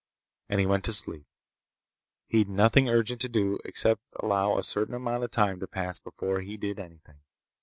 And he went to sleep. He'd nothing urgent to do, except allow a certain amount of time to pass before he did anything.